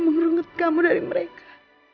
mengrungut kamu dari mereka